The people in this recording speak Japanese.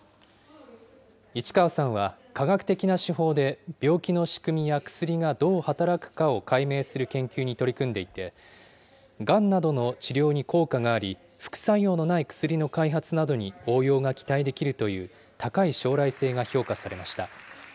市川さんは、化学的な手法で病気の仕組みや薬がどう働くかを解明する研究に取り組んでいて、がんなどの治療に効果があり、副作用のない薬の開発などに応用が期待できるという、高い将来性が評価されました。